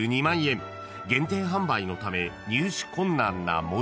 ［限定販売のため入手困難なモデルです］